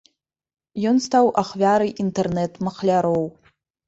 Ён стаў ахвярай інтэрнэт-махляроў.